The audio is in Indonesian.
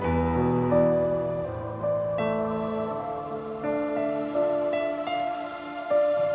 terima kasih banyak ya pak